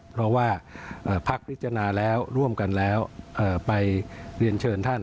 เพราะว่าพักพิจารณาแล้วร่วมกันแล้วไปเรียนเชิญท่าน